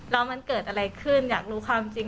แล้วมันเกิดอะไรขึ้นอยากรู้ความจริง